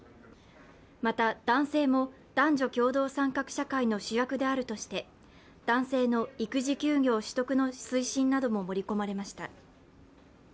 また男性も男女共同参画社会の主役であるとして男性の育児休業取得の推進なども盛り込まれました。